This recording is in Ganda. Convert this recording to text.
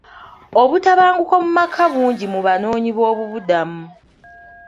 Obutabanguko mu maka bungi mu banoonyiboobubudamu.